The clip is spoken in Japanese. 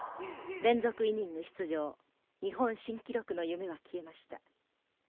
連続イニング出場日本新記録の夢は消えました。